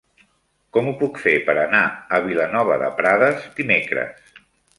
Com ho puc fer per anar a Vilanova de Prades dimecres?